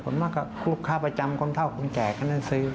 ส่วนมากก็ลูกค้าประจำคนเท่าคนแก่คนนั้นซื้อ